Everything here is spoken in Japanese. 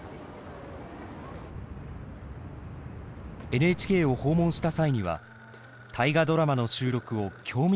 ＮＨＫを訪問した際には「大河ドラマ」の収録を興味